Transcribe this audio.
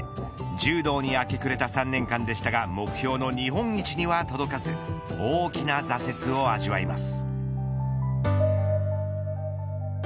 柔道に明け暮れた３年間でしたが目標の日本一には届かず大きな挫折を味わいます。